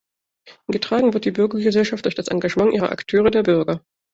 Getragen wird die Bürgergesellschaft durch das Engagement ihrer Akteure, der Bürger.